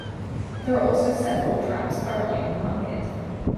There are also several traps currently on the market.